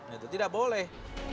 itu tidak boleh